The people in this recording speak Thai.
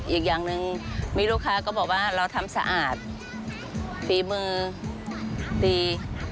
อีกอย่างหนึ่งมีลูกค้าก็บอกว่าเราทำสะอาดฝีมือดี